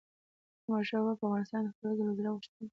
احمدشاه بابا به د افغانستان خپلواکي له زړه غوښتله.